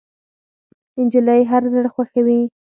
نجلۍ هر زړه خوښوي.